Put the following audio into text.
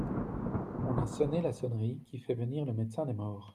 On a sonné la sonnerie qui fait venir le médecin des morts.